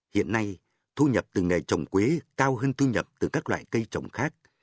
hiện nay thu nhập từ nghề trồng quế cao hơn thu nhập từ các loại cây trồng khác